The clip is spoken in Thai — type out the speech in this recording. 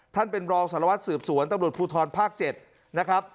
ท่านเป็นรองสารวัตรสืบสวนตำรวจภูทรภาค๗นะครับ